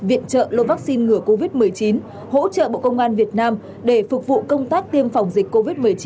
viện trợ lô vaccine ngừa covid một mươi chín hỗ trợ bộ công an việt nam để phục vụ công tác tiêm phòng dịch covid một mươi chín